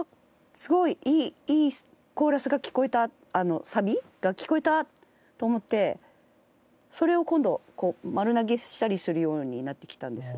すごいいいコーラスが聴こえたサビが聴こえたと思ってそれを今度丸投げしたりするようになってきたんですよ。